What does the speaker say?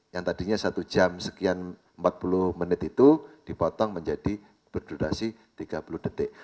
yang tadinya satu jam sekian empat puluh menit itu dipotong menjadi berdurasi tiga puluh detik